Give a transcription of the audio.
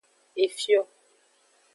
Efio.